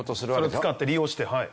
それを使って利用してはい。